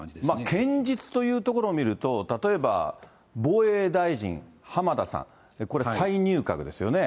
堅実というところを見ると、例えば防衛大臣、浜田さん。これ、再入閣ですよね。